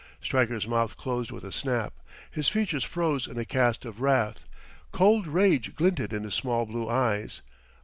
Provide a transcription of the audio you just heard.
Stryker's mouth closed with a snap; his features froze in a cast of wrath; cold rage glinted in his small blue eyes.